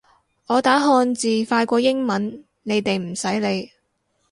我打漢字快過打英文，你哋唔使理